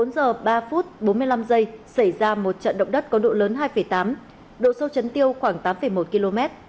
bốn giờ ba phút bốn mươi năm giây xảy ra một trận động đất có độ lớn hai tám độ sâu chấn tiêu khoảng tám một km